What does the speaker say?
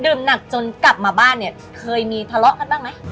ดื่มหนักจนกลับมาบ้านเคยมีทะเละกันบ้างไหม